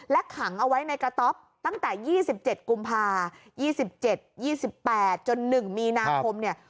ขังเอาไว้ในกระต๊อปตั้งแต่๒๗กุมภา๒๗๒๘จน๑มีนาคมเนี่ย